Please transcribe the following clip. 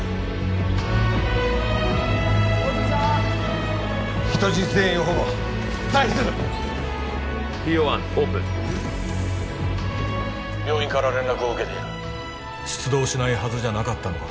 大杉さん人質全員を保護退避するＴＯ１オープン病院から連絡を受けている出動しないはずじゃなかったのか？